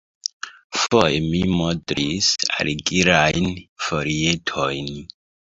Foje mi modlis argilajn folietojn.